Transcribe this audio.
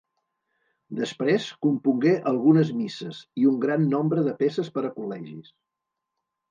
Després compongué algunes misses, i un gran nombre de peces per a col·legis.